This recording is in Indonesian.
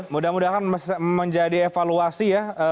mudah mudahan menjadi evaluasi ya